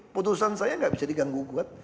putusan saya tidak bisa diganggu gangguan